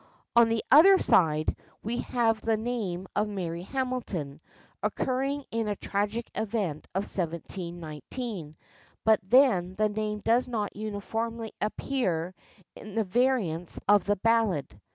On the other side, we have the name of Mary Hamilton occurring in a tragic event of 1719, but then the name does not uniformly appear in the variants of the ballad.